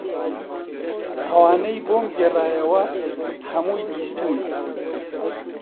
ئەوانەی بۆم گێڕایەوە، هەمووی بیستوون